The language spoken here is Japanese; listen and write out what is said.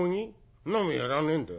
そんなもんやらねえんだ。